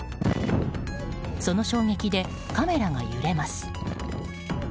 その衝撃でカメラが揺れます。